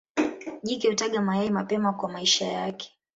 Jike hutaga mayai mapema kwa maisha yake.